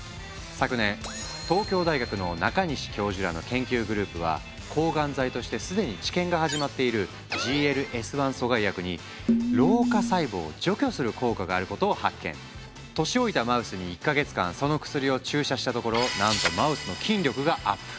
昨年東京大学の中西教授らの研究グループは抗がん剤として既に治験が始まっているＧＬＳ−１阻害薬に年老いたマウスに１か月間その薬を注射したところなんとマウスの筋力がアップ。